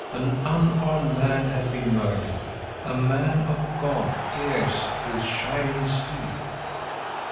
An unarmed man had been murdered, a man of God pierced with shining steel.